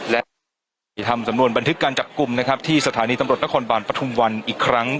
และที่ทำสำนวนบันทึกการจับกลุ่มนะครับที่สถานีตำรวจนครบาลปฐุมวันอีกครั้ง